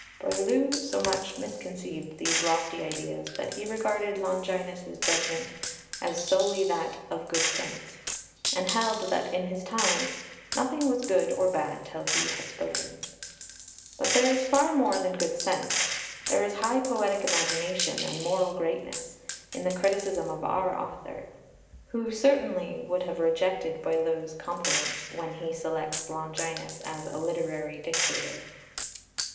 Boileau so much misconceived these lofty ideas that he regarded "Longinus's" judgment as solely that "of good sense," and held that, in his time, "nothing was good or bad till he had spoken." But there is far more than good sense, there is high poetic imagination and moral greatness, in the criticism of our author, who certainly would have rejected Boileau's compliment when he selects Longinus as a literary dictator.